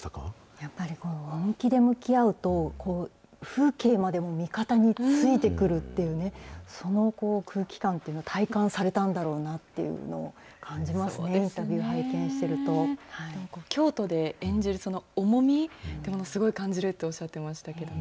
やっぱりこう、本気で向き合うと、風景までも味方についてくるっていうね、その空気感って、体感されたんだろうなっていうのを感じますね、インタビュー拝見してる京都で演じる、その重みってものを、すごい感じるっておっしゃっていましたけどね。